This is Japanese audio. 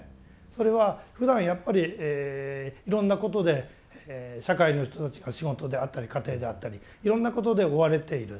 それはふだんやっぱりいろんなことで社会の人たちが仕事であったり家庭であったりいろんなことで追われている。